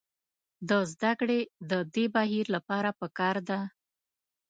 د زدکړې د دې بهیر لپاره پکار ده.